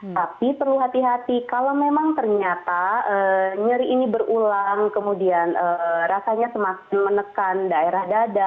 tapi perlu hati hati kalau memang ternyata nyeri ini berulang kemudian rasanya semakin menekan daerah dada